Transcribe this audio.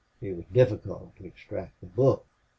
It was difficult to extract the book.